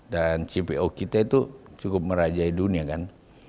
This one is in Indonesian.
dan cpo kita itu cukup merajai dunia kan